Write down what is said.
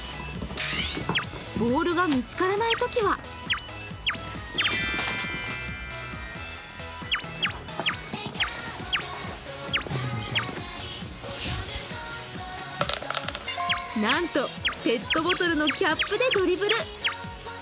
ボールが見つからないときはなんとペットボトルのキャップでドリブル。